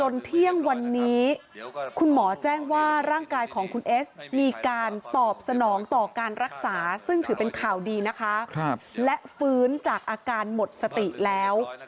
และพื้นจากอาการหมดสติแล้ว